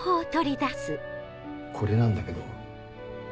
これなんだけど。